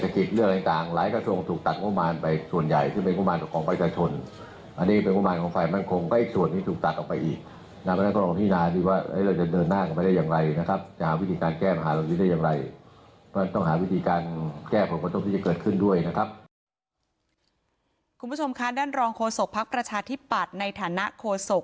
คุณผู้ชมค่าด้านรองโฆษกภัพพระชาธิบัติในฐานะโฆษกฯ